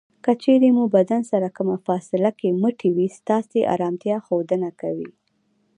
که چېرې مو بدن سره کمه فاصله کې مټې وي ستاسې ارامتیا ښودنه کوي.